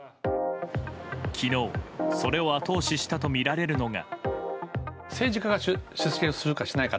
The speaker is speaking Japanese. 昨日、それを後押ししたとみられるのが。